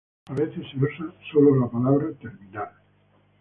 A veces, se usa sólo la palabra "terminal".